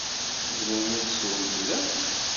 Tzemremt ad tessewwemt da.